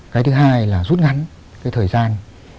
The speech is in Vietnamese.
cái thứ hai là rút ngắn thời gian